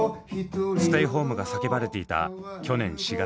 ステイホームが叫ばれていた去年４月。